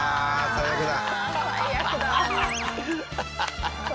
最悪だ。